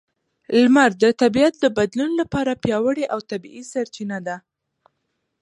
لمر د طبیعت د بدلون لپاره پیاوړې او طبیعي سرچینه ده.